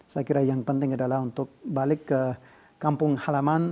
saya kira yang penting adalah untuk balik ke kampung halaman